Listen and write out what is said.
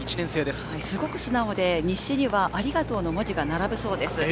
すごく素直で、日誌にはありがとうの文字が並ぶそうです。